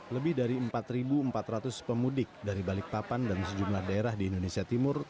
lebih dari empat empat ratus pemudik dari balikpapan dan sejumlah daerah di indonesia timur